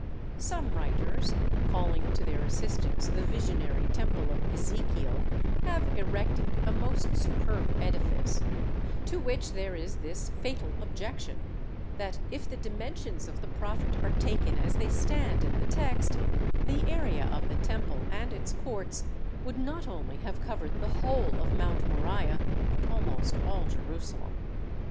Some writers, calling to their assistance the visionary temple of Ezekiel, have erected a most superb edifice; to which there is this fatal objection, that if the dimensions of the prophet are taken as they stand in the text, the area of the Temple and its courts would not only have covered the whole of Mount Moriah, but almost all Jerusalem.